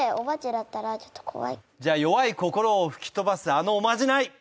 じゃあ弱い心を吹き飛ばすあのおまじない。